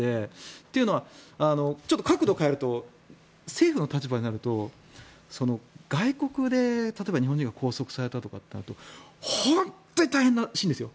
というのはちょっと角度を変えると政府の立場になると外国で例えば日本人が拘束されたとなると本当に大変らしいんですよ。